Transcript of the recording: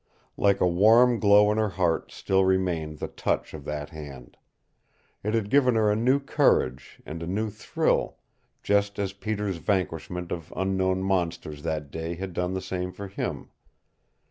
Like a warm glow in her heart still remained the touch of that hand. It had given her a new courage, and a new thrill, just as Peter's vanquishment of unknown monsters that day had done the same for him.